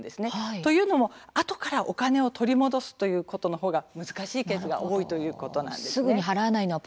というのも、あとからお金を取り戻すということのほうが難しいケースが多いんです。